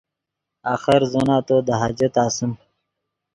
آخر زو نتو دے حاجت آسیم